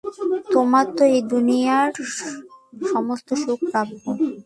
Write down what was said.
তোমার তো এই দুনিয়ার সমস্ত সুখ প্রাপ্য।